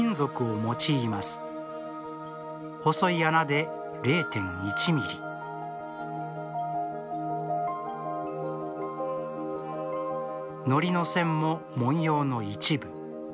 細い穴で０．１ミリ糊の線も文様の一部。